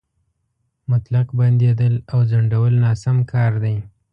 مطلق بندېدل او ځنډول ناسم کار دی.